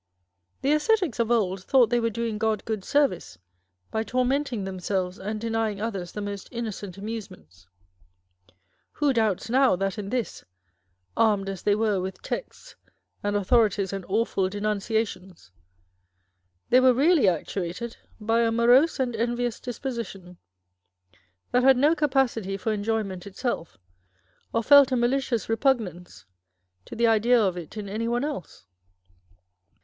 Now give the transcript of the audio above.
The ascetics of old thought they were doing God good service by tormenting themselves and denying others the most innocent amusements. Who doubts now that in this (armed as they were with texts and authorities and awful denunciations) they were really actuated by a morose and envious disposition, that had no capacity for enjoyment itself, or felt a malicious repugnance to the idea of it in any one else